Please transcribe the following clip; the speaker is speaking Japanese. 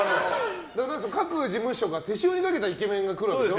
各事務所が手塩にかけたイケメンが来るんでしょ？